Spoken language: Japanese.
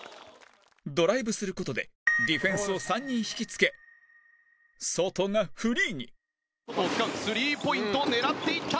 ドライブする事でディフェンスを３人引きつけ外がフリーに実況：スリーポイント狙っていった！